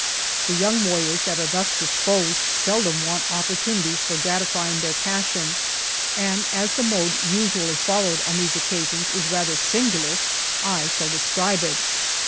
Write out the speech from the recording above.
The young warriors that are thus disposed, seldom want opportunities for gratafying their passion: and as the mode usually followed on these occasions is rather singular, I shall describe it.